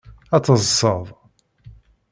Ad teḍṣeḍ.